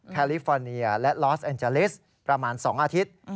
แคลิฟอร์เนียและลอสแอนจาลิสประมาณ๒อาทิตย์